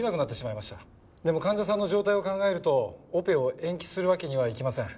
でも患者さんの状態を考えるとオペを延期するわけにはいきません。